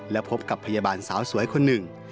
และพบกับพยาบาลสาวสวยคนหนึ่ง